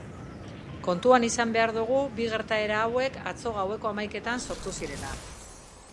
Kontuan izan behar dugu bi gertaera hauek atzo gaueko hamaiketan sortu zirela.